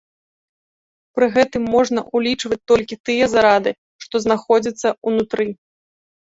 Пры гэтым можна ўлічваць толькі тыя зарады, што знаходзяцца ўнутры.